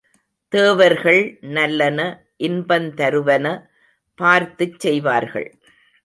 தேவர்கள் நல்லன, இன்பந்தருவன பார்த்துச் செய்வார்கள்.